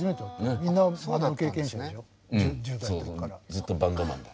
ずっとバンドマンだ。